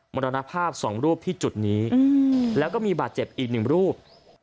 มรรณภาพ๒รูปที่จุดนี้แล้วก็มีบาดเจ็บอีก๑รูป